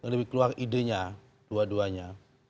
lebih keluar idenya dua duanya